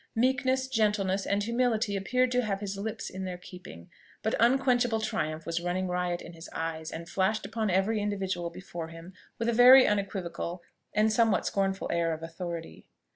Meekness, gentleness, and humility appeared to have his lips in their keeping; but unquenchable triumph was running riot in his eyes, and flashed upon every individual before him with a very unequivocal and somewhat scornful air of authority.